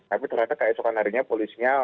tapi ternyata keesokan harinya polisinya